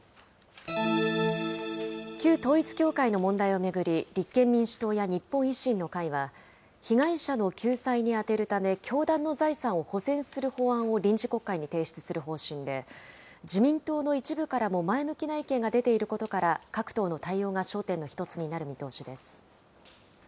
旧統一教会の問題を巡り立憲民主党や日本維新の会は、被害者の救済に充てるため教団の財産を保全する法案を臨時国会に提出する方針で、自民党の一部からも前向きな意見が出ていることから、各党の対応が焦点の１つになる見通しです。